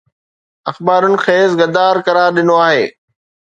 اخبارن کيس غدار قرار ڏنو آهي